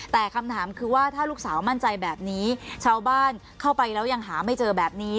แต่คำถามคือว่าถ้าลูกสาวมั่นใจแบบนี้ชาวบ้านเข้าไปแล้วยังหาไม่เจอแบบนี้